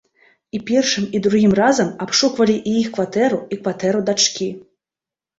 І першым, і другім разам абшуквалі і іх кватэру, і кватэру дачкі.